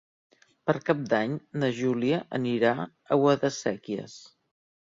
Per Cap d'Any na Júlia anirà a Guadasséquies.